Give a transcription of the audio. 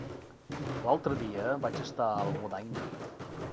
L'altre dia vaig estar a Almudaina.